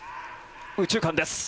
右中間です。